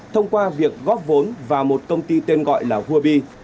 thông qua việc góp vốn vào một công ty tên gọi là huabi